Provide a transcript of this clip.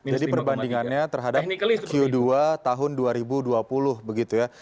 jadi perbandingannya terhadap q dua tahun dua ribu dua puluh begitu ya